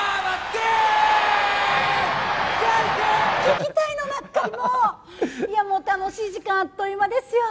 聞きたいの何回もいやもう楽しい時間あっという間ですよ